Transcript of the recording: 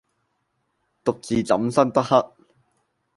獨自怎生得黑！